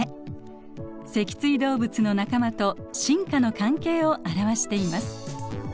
脊椎動物の仲間と進化の関係を表しています。